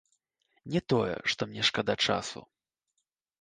Не тое, што мне шкада часу.